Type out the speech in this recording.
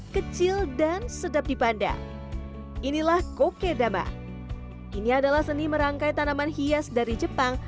kecil dan sedap dipandang inilah kokedama ini adalah seni merangkai tanaman hias dari jepang